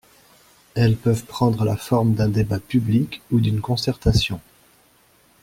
Elles peuvent prendre la forme d'un débat public ou d’une concertation.